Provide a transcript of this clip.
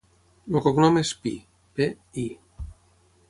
El cognom és Pi: pe, i.